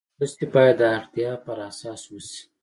مرستې باید د اړتیا پر اساس وشي.